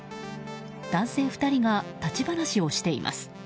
男性２人が立ち話をしています。